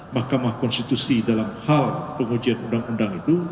mahkamah konstitusi dalam hal pengujian undang undang itu